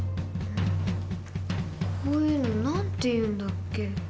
こういうの何ていうんだっけ？